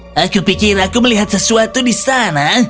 aku pikir aku melihat sesuatu di sana